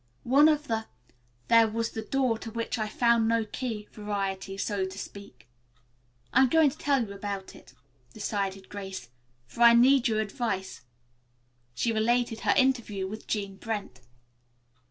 "One of the 'There was the Door to which I found no Key' variety, so to speak." "I'm going to tell you all about it," decided Grace, "for I need your advice." She related her interview with Jean Brent.